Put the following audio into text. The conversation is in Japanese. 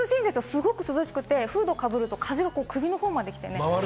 すごく涼しくて、フードをかぶると風が首の方まで来て。